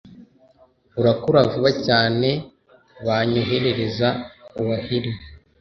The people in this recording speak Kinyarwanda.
Urakura vuba cyane banyoherereza awhirl